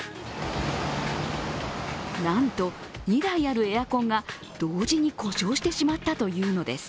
なんと、２台あるエアコンが同時に故障してしまったというのです。